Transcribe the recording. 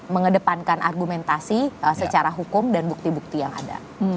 mengedepankan argumentasi secara hukum dan bukti bukti yang ada